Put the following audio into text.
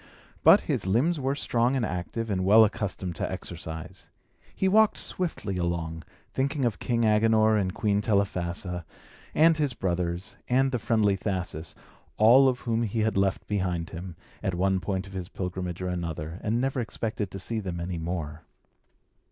But his limbs were strong and active and well accustomed to exercise. He walked swiftly along, thinking of King Agenor and Queen Telephassa, and his brothers, and the friendly Thasus, all of whom he had left behind him, at one point of his pilgrimage or another, and never expected to see them any more.